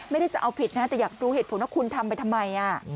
ไม่ได้จะเอาผิดนะแต่อยากรู้เหตุผลว่าคุณทำไปทำไม